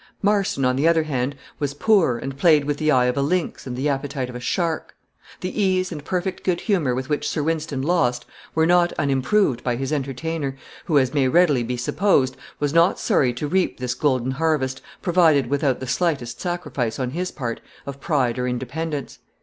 Marston, on the other hand, was poor, and played with the eye of a lynx and the appetite of a shark. The ease and perfect good humor with which Sir Wynston lost were not unimproved by his entertainer, who, as may readily be supposed, was not sorry to reap this golden harvest, provided without the slightest sacrifice, on his part, of pride or independence.